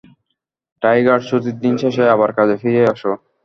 Tiger, ছুটির দিন শেষ আবার কাজে ফিরে আসো।